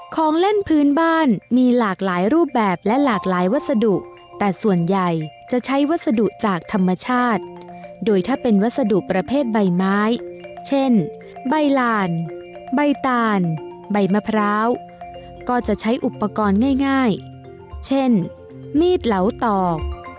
ของเล่นพื้นบ้านมีหลากหลายรูปแบบและหลากหลายวัสดุแต่ส่วนใหญ่จะใช้วัสดุจากธรรมชาติโดยถ้าเป็นวัสดุประเภทใบไม้เช่นใบลานใบตาลใบมะพร้าวก็จะใช้อุปกรณ์ง่ายเช่นมีดเหลาตอก